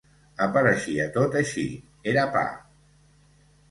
«Apareixia tot així: era pa».